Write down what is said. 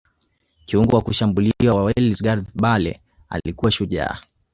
kiungo wa kushambulia wa Wales gareth bale alikuwa shujaa